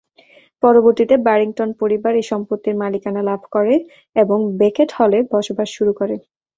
পরবর্তীতে বারিংটন পরিবার এ সম্পত্তির মালিকানা লাভ করে এবং বেকেট হলে বসবাস শুরু করে।